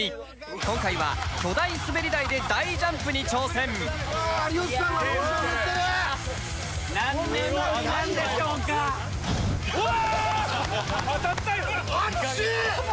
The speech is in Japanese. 今回は巨大滑り台で大ジャンプに挑戦当たったよ